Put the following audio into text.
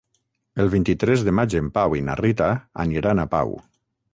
El vint-i-tres de maig en Pau i na Rita aniran a Pau.